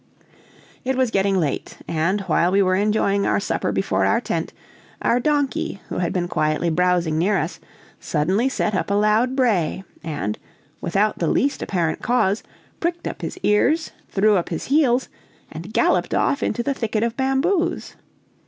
It was getting late, and while we were enjoying our supper before our tent, our donkey, who had been quietly browsing near us, suddenly set up a loud bray, and, without the least apparent cause, pricked up his ears, threw up his heels, and galloped off into the thicket of bamboos.